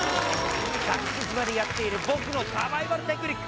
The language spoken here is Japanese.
「脱出島」でやっている僕のサバイバルテクニック